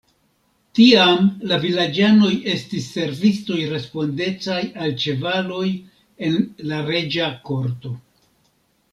Tiam la vilaĝanoj estis servistoj respondecaj al ĉevaloj en la reĝa korto.